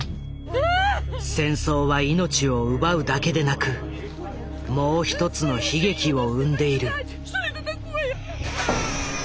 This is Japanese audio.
戦争は命を奪うだけでなくもう一つの悲劇を生んでいる。